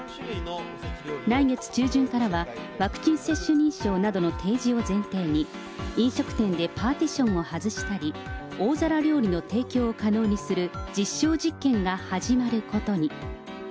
来月中旬からは、ワクチン接種認証などの提示を前提に、飲食店でパーティションを外したり、大皿料理の提供を可能にする実証実験が始まることに。